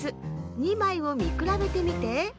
２まいをみくらべてみて。